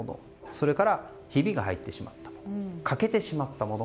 それから、ひびが入ったしまった欠けてしまったもの